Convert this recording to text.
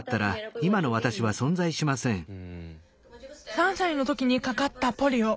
３歳の時にかかったポリオ。